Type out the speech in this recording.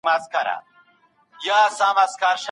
بڼوال ولي په اوږه باندي ګڼ توکي راوړي وو؟